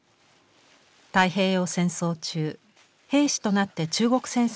太平洋戦争中兵士となって中国戦線に赴き